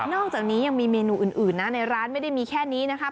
อกจากนี้ยังมีเมนูอื่นนะในร้านไม่ได้มีแค่นี้นะคะ